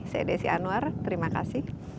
saya desi anwar terima kasih